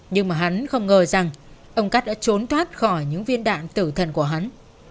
nhưng mà hắn không ngờ rằng ông cắt đã trốn thoát khỏi những viên đạn tử thần của hắn